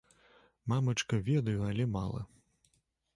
Мамачка, ведаю, але мала.